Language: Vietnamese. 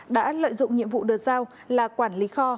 đã lợi dụng nhiệm vụ được giao là quản lý kho